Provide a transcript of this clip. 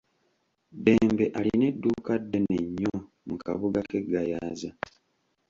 Dembe alina edduuka ddene nnyo mu kabuga ke Gayaza.